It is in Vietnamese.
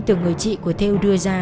từ người chị của thêu đưa ra